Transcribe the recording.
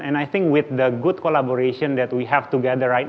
dan saya pikir dengan kolaborasi yang baik yang kita punya bersama sekarang